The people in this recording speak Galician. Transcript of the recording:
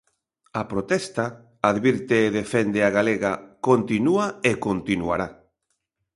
A protesta, advirte Defende A Galega, continúa e continuará.